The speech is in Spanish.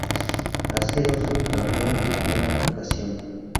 Ha sido subcampeón en una ocasión.